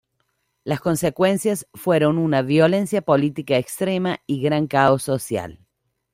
Las consecuencias fueron una violencia política extrema y gran caos social.